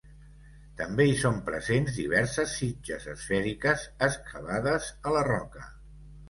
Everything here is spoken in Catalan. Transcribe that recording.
També hi són presents diverses sitges esfèriques, excavades a la roca.